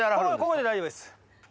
ここで大丈夫です。